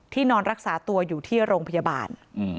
นอนรักษาตัวอยู่ที่โรงพยาบาล